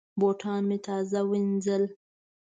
بوټان مې تازه وینځل.